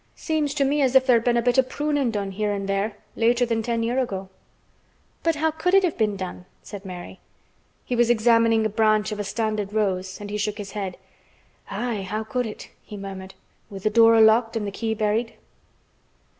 Seems to me as if there'd been a bit o' prunin' done here an' there, later than ten year' ago." "But how could it have been done?" said Mary. He was examining a branch of a standard rose and he shook his head. "Aye! how could it!" he murmured. "With th' door locked an' th' key buried."